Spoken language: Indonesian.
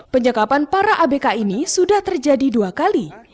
penyekapan para abk ini sudah terjadi dua kali